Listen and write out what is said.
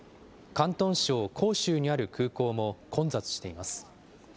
広州にある空港も混雑しています。